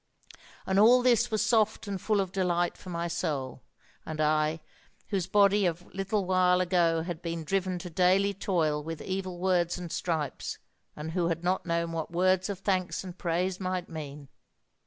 And all this was soft and full of delight for my soul: and I, whose body a little while ago had been driven to daily toil with evil words and stripes, and who had known not what words of thanks and praise might mean!